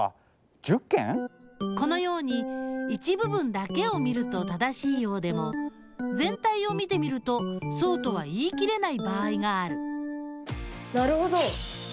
このように一部分だけを見ると正しいようでもぜん体を見てみるとそうとは言い切れない場合があるなるほど！